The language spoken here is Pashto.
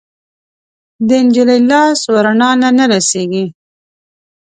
د نجلۍ لاس ورڼا نه رسیږي